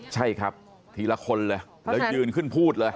ใช่ครับทีละคนเลยแล้วยืนขึ้นพูดเลย